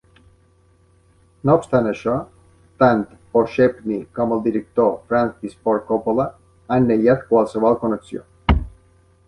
No obstant això, tant Poshepny com el director Francis Ford Coppola han negat qualsevol connexió.